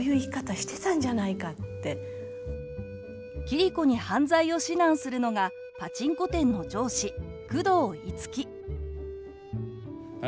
桐子に犯罪を指南するのがパチンコ店の上司久遠樹。